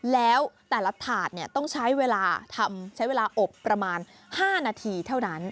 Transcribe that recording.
แล้วแต่ละถาดต้องใช้เวลาทำใช้เวลาอบประมาณ๕นาทีเท่านั้น